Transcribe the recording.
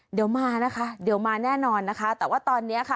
เดี๋ยวมานะคะเดี๋ยวมาแน่นอนนะคะแต่ว่าตอนนี้ค่ะ